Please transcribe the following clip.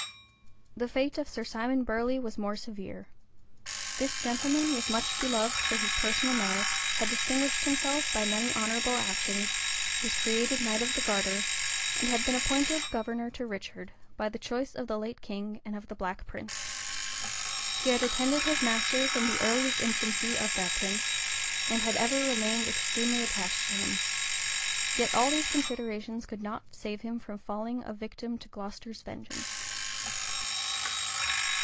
The fate of Sir Simon Burley was more severe: this gentleman was much beloved for his personal merit, had distinguished himself by many honorable actions,[*] was created knight of the garter, and had been appointed governor to Richard, by the choice of the late king and of the Black Prince: he had attended his master from the earliest infancy of that prince, and had ever remained extremely attached to him: yet all these considerations could not save him from falling a victim to Glocester's vengeance. * See note M, at the end of the volume.